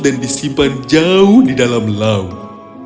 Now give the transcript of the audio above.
dan disimpan jauh di dalam laut